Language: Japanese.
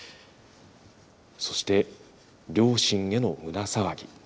そして両親への胸騒ぎ。